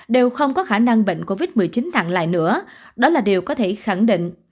đều không có khả năng bệnh covid một mươi chín nặng lại nữa đó là điều có thể khẳng định